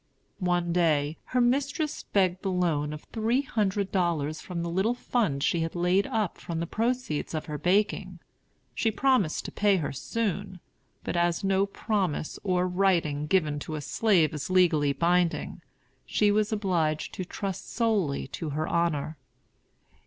One day, her mistress begged the loan of three hundred dollars from the little fund she had laid up from the proceeds of her baking. She promised to pay her soon; but as no promise or writing given to a slave is legally binding, she was obliged to trust solely to her honor.